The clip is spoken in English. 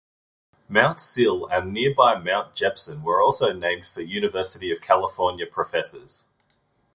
Mount Sill and nearby Mount Jepson were also named for University of California professors.